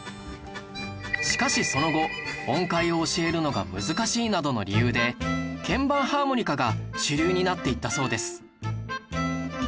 しかしその後音階を教えるのが難しいなどの理由で鍵盤ハーモニカが主流になっていったそうです